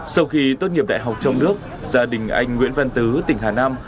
sau khi tốt nghiệp đại học trong nước gia đình anh nguyễn văn tứ tỉnh hà nam